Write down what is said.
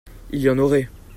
Il y en aurait.